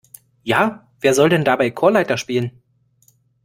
Ja, wer soll denn dabei Chorleiter spielen?